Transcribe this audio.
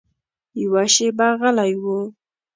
یوه شېبه غلی و.